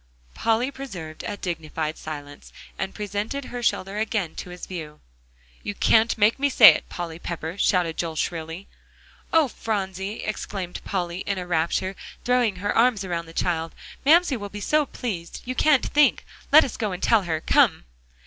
Polly preserved a dignified silence, and presented her shoulder again to his view. "You can't make me say it, Polly Pepper!" shouted Joel shrilly. "Oh, Phronsie!" exclaimed Polly in a rapture, throwing her arms around the child, "Mamsie will be so pleased you can't think. Let us go and tell her; come!"